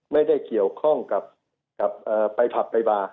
ไม่ได้เกี่ยวข้องกับไปผับไปมา